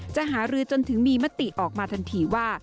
หารือจนถึงมีมติออกมาทันทีว่า